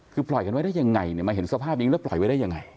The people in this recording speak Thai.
คือปล่อยกันไว้ได้ยังไงเนี่ยมาเห็นสภาพอย่างนี้แล้วปล่อยไว้ได้ยังไง